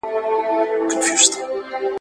د پښتو ژبي چوپړ ته وقف کړی دی `